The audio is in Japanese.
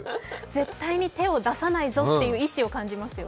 絶対に手を出さないぞという意志を感じます。